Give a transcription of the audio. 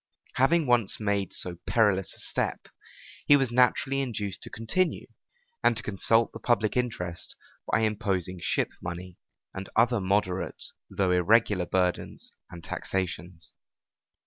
Having once made so perilous a step, he was naturally induced to continue, and to consult the public interest by imposing ship money, and other moderate though irregular burdens and taxations.